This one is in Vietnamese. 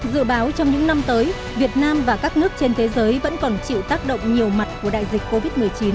dự báo trong những năm tới việt nam và các nước trên thế giới vẫn còn chịu tác động nhiều mặt của đại dịch covid một mươi chín